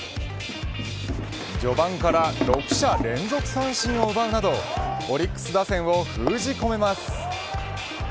序盤から６者連続三振を奪うなどオリックス打線を封じ込めます。